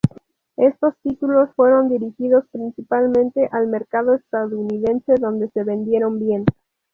Estos títulos fueron dirigidos principalmente al mercado estadounidense, donde se vendieron bien.